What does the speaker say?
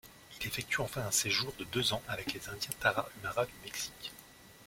Il effectue enfin un séjour de deux ans avec les Indiens Tarahumaras du Mexique.